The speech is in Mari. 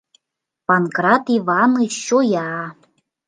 Панкрат Иваныч чоя.